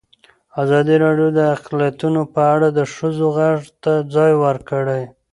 ازادي راډیو د اقلیتونه په اړه د ښځو غږ ته ځای ورکړی.